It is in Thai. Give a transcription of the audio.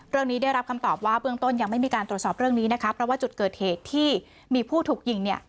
ได้รับคำตอบว่าเบื้องต้นยังไม่มีการตรวจสอบเรื่องนี้นะคะเพราะว่าจุดเกิดเหตุที่มีผู้ถูกยิงเนี่ย